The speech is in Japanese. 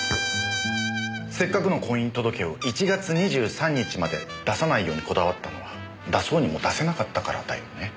せっかくの婚姻届を１月２３日まで出さないようにこだわったのは出そうにも出せなかったからだよね。